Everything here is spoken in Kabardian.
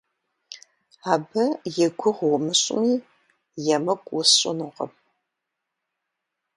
Абы и гугъу умыщӏми, емыкӏу усщӏынукъым.